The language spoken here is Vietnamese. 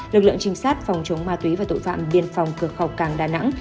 lực lượng trinh sát phòng chống ma túy và tội phạm biên phòng cửa khẩu càng đà nẵng